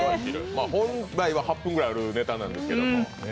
本来は８分ぐらいあるネタなんですけど。